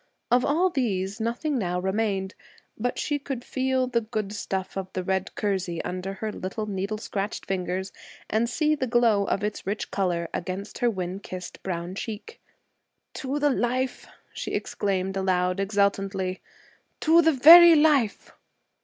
Of all these, nothing now remained; but she could feel the good stuff of the red kersey under her little needle scratched fingers, and see the glow of its rich color against her wind kissed brown cheek. 'To the life!' she exclaimed aloud, exultantly. 'To the very life!'